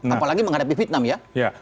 apalagi menghadapi vietnam ya